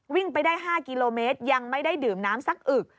ไปได้๕กิโลเมตรยังไม่ได้ดื่มน้ำสักอึก